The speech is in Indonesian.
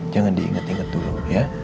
jangan diingat ingat dulu ya